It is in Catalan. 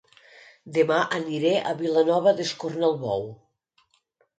Dema aniré a Vilanova d'Escornalbou